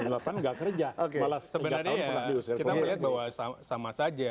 sebenarnya ya kita melihat bahwa sama saja